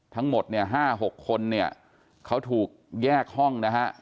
ทั้งหมดเนี่ย๕๖คนเนี่ยเขาถูกแยกห้องนะฮะ